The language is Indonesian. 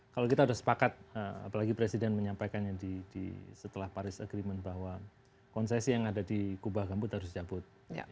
kalau kita sudah sepakat apalagi presiden menyampaikannya setelah paris agreement bahwa konsesi yang ada di kubah gambut harus dicabut